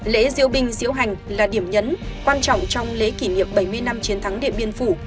lễ diễu binh diễu hành là điểm nhấn quan trọng trong lễ kỷ niệm bảy mươi năm chiến thắng điện biên phủ